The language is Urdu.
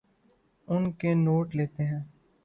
ان کے نوٹ لیتے ہیں